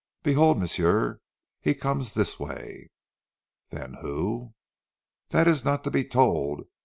Behold, m'sieu, he comes dis way." "Then who " "Dat ees not to be told.